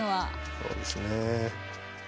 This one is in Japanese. そうですね。